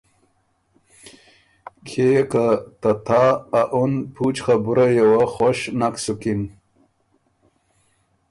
کيې که ته تا ائ اُن پُوچ خبُرئ یه وه خوش نک سُکِن۔